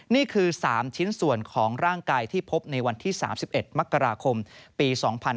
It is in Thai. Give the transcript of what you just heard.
นี่คือ๓ชิ้นส่วนของร่างกายที่พบในวันที่๓๑มกราคมปี๒๕๕๙